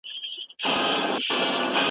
هري ورځي لره شپه، شپې ته سبا سته .